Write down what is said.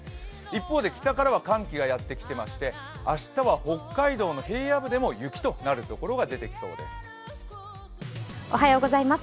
一方で北からは寒気がやってきまして、明日は北海道の平野部でも雪となるところが出てきそうです。